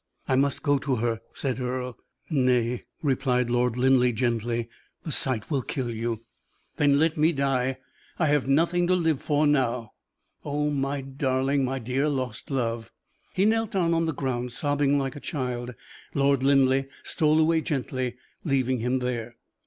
"I must go to her," said Earle. "Nay," replied Lord Linleigh, gently; "the sight will kill you." "Then let me die I have nothing to live for now! Oh, my darling! my dear lost love!" He knelt down on the ground, sobbing like a child. Lord Linleigh stole away gently, leaving him there.